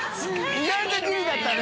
意外とギリだったね。